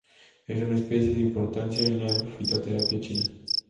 Es una especie de importancia en la Fitoterapia china.